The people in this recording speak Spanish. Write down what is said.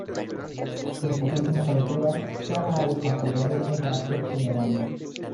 En sus últimas aventuras, Clara ha desarrollado un carácter temerario.